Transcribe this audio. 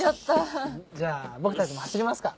じゃあ僕たちも走りますか。